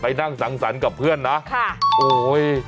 นั่งสังสรรค์กับเพื่อนนะค่ะโอ้ย